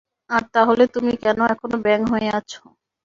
আর তাহলে তুমি কেন এখনো ব্যাঙ হয়ে আছ?